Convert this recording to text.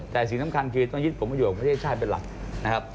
แต่สิ่งสำคัญคือต้องยึดผลประโยชน์ประเทศชาติเป็นหลักนะครับ